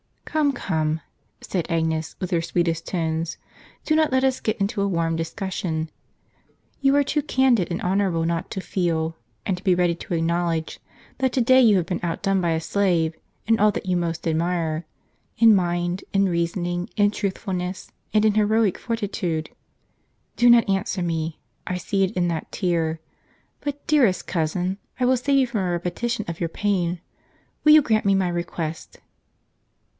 "Come, come," said Agnes, with her sweetest tones, "do not let us get into a warm discussion. Tou are too candid and honorable not to feel, and to be ready to acknowledge, that to day you have been outdone by a slave in all that you w g^ most admire, — in mind, in reasoning, in truthfulness, and in heroic fortitude. Do not answer me; I see it in that tear. But, dearest cousin, I will save you from a repetition of your pain. Will you grant me my request?